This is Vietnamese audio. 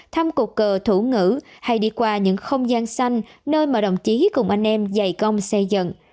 thăm cột cờ thủ ngữ hay đi qua những không gian xanh nơi mà đồng chí cùng anh em dày công xây dựng